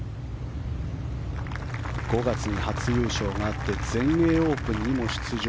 ５月に初優勝があって全英オープンにも出場。